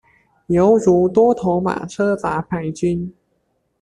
猶如多頭馬車雜牌軍